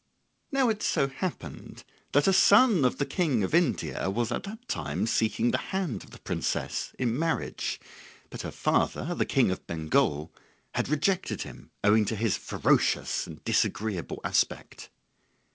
Now it so happened that a son of the King of India was at that time seeking the hand of the princess in marriage; but her father, the King of Bengal, had rejected him owing to his ferocious and disagreeable aspect.